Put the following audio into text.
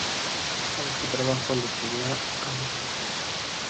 A este trabajo le seguirá "Abismo arriba".